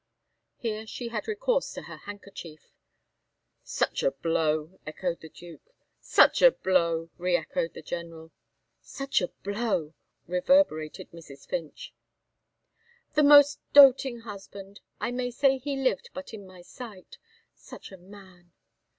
Here she had recourse to her handkerchief. "Such a blow!" echoed the Duke. "Such a blow!" re echoed the General. "Such a blow!" reverberated Mrs. Finch. "The most doating husband! I may say he lived but in my sight. Such a man!"